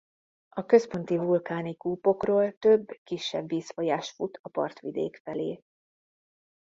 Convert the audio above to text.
A központi vulkáni kúpokról több kisebb vízfolyás fut a partvidék felé.